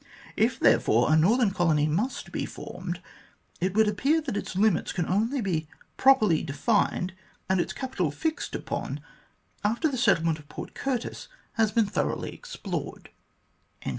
If, therefore, a northern colony must be formed, it would appear that its limits can only be properly defined, and its capital fixed upon, after the settlement of Port Curtis has been thoroughly explored."